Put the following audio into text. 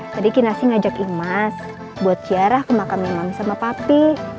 tadi kinasi ngajak imas buat siarah ke makamnya mami sama papi